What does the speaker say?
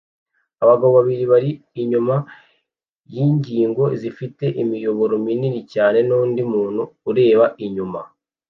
Abagabo babiri bari inyuma yingingo zifite imiyoboro minini cyane nundi muntu ureba inyuma